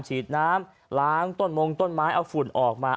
ฉีดน้ำล้างต้นมงต้นไม้เอาฝุ่นออกมา